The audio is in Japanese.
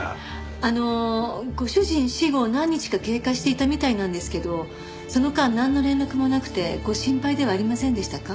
あのご主人死後何日か経過していたみたいなんですけどその間なんの連絡もなくてご心配ではありませんでしたか？